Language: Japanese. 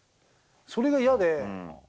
それが嫌で。